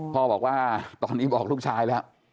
พ่อบอกว่าตอนนี้บอกลูกชายแล้ว